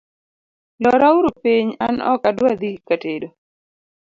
lora uru piny an ok adwa dhi katedo